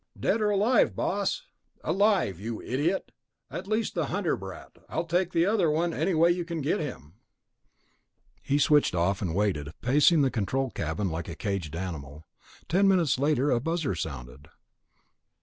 "Dead or alive, boss?" "Alive, you idiot! At least the Hunter brat. I'll take the other one any way you can get him." He switched off, and waited, pacing the control cabin like a caged animal. Ten minutes later a buzzer sounded.